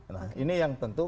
nah ini yang tentu